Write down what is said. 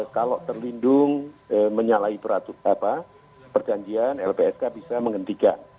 kalau terlindung menyalahi perjanjian lpsk bisa menghentikan